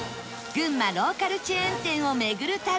群馬ローカルチェーン店を巡る旅